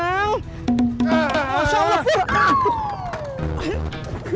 masya allah pur